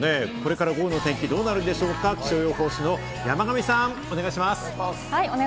これから午後のお天気、どうなるでしょうか、気象予報士の山神さん、お願いします。